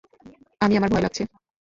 আমি - আমার ভয় লাগছে।